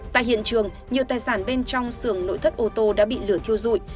tại hiện trường nhiều tài sản bên trong sườn nội thất ô tô đã bị lửa thiêu dụi